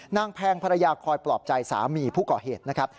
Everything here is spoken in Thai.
แพงภรรยาคอยปลอบใจสามีผู้ก่อเหตุนะครับ